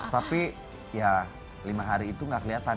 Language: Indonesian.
tapi ya lima hari itu gak keliatan